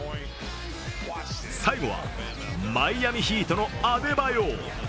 最後はマイアミ・ヒートのアデバヨ。